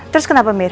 terus kenapa mir